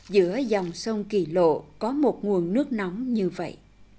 giữa dòng sông kỳ lộ có một nguồn nước nóng như vậy